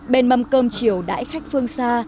bên mâm cơm chiều đãi khách phương xa